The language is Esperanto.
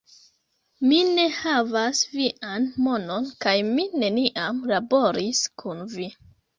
Mi ne havas vian monon kaj mi neniam laboris kun vi!